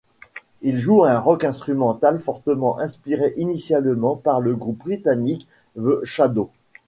Ils jouent un rock instrumental fortement inspiré initialement par le groupe britannique The Shadows.